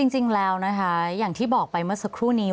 จริงแล้วนะคะอย่างที่บอกไปเมื่อสักครู่นี้